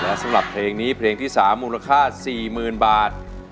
และสำหรับเพลงนี้เพลงที่๓มูลค่า๔๐๐๐บาท